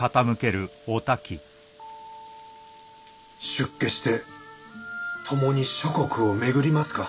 出家して共に諸国を巡りますか？